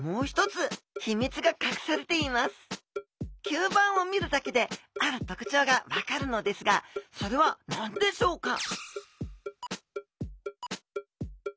吸盤を見るだけであるとくちょうがわかるのですがそれは何でしょうか？